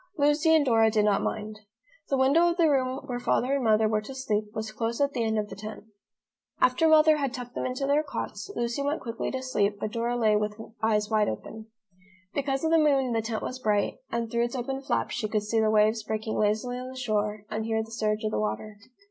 Lucy and Dora did not mind. The window of the room where Father and Mother were to sleep was close at the end of the tent. After Mother had tucked them into their cots, Lucy went quickly to sleep but Dora lay with eyes wide open. Because of the moon the tent was bright, and through its open flaps she could see the waves breaking lazily on the shore, and hear the surge of the water.